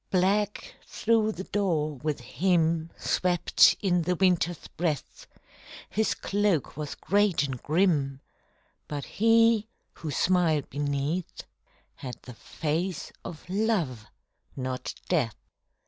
_ Black through the door with him Swept in the Winter's breath; His cloak was great and grim But he, who smiled beneath, Had the face of Love not Death.